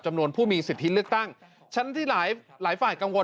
จำนวนผู้มีสิทธิเลือกตั้งชั้นที่หลายฝ่ายกังวล